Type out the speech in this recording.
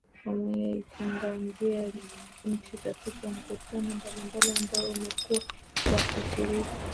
Wameitangaza nchi katika mikutano mbalimbali ambayo wamekuwa wakishiriki